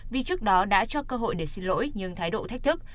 vì trước đó đã cho cơ hội để xin lỗi nhưng thái độ thách thức